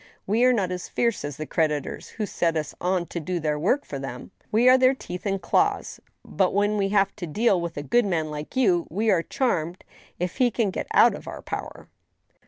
We are not as fierce as the creditors who set us on to do their work for them. We are their teeth and claws. But, when we have to deal with a good man like you, we are charmed if he can get out of our power."